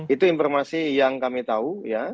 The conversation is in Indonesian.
itu informasi yang kami tahu ya